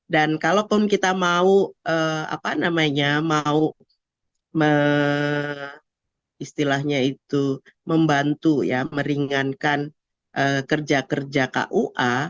dan kalau kita mau apa namanya mau istilahnya itu membantu ya meringankan kerja kerja kua